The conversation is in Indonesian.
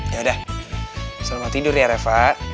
yaudah selamat tidur ya reva